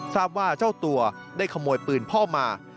ทราบว่าเจ้าตัวได้ขโมยปืนพ่อมา